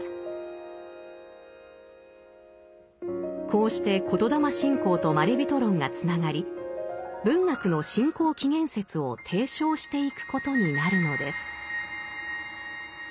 こうして言霊信仰とまれびと論がつながり文学の信仰起源説を提唱していくことになるのです。